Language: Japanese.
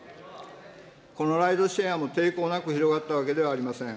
このライドシェアも抵抗なく広がったわけではありません。